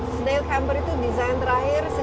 snail camper itu desain terakhir